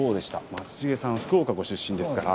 松重さん福岡ご出身ですから。